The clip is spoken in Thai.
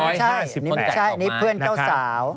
ใช่นี่ไม่ใช่นี่เพื่อนเจ้าสาว